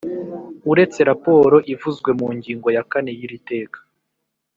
Uretse raporo ivuzwe mu ngingo ya kane y’iri teka